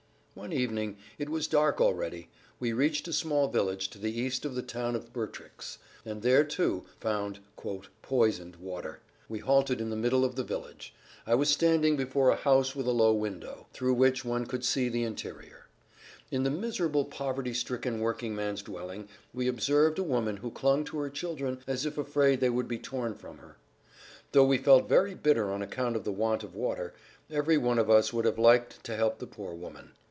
One evening—it was dark already—we reached a small village to the east of the town of Bertrix, and there, too, found "poisoned" water. We halted in the middle of the village. I was standing before a house with a low window, through which one could see the interior. In the miserable poverty stricken working man's dwelling we observed a woman who clung to her children as if afraid they would be torn from her. Though we felt very bitter on account of the want of water, every one of us would have liked to help the poor woman.